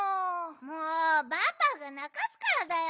もうバンバンがなかすからだよ。